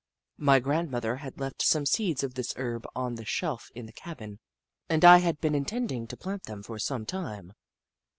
My grand mother had left some seeds of this herb on the shelf in the cabin, and I had been intending to plant them for some time.